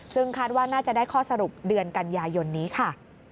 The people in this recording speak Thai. ซึ่งคาดว่าน่าจะได้ข้อสรุปเดือนกันยายนนี้ค่ะ